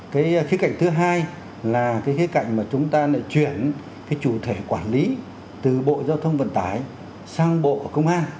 cái khía cạnh thứ hai là cái khía cạnh mà chúng ta lại chuyển cái chủ thể quản lý từ bộ giao thông vận tải sang bộ công an